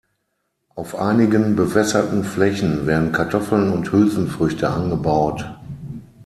Auf einigen bewässerten Flächen werden Kartoffeln und Hülsenfrüchte angebaut.